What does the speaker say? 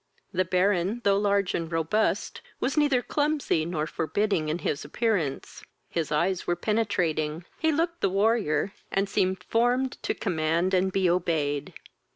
The Baron, though large and robust, was neither clumsy not forbidding in his appearance. His eyes were penetrating; he looked the warrior, and seemed formed to command and be obeyed.